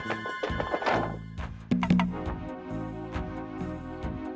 mereka bikin lagi hal yang kebatasan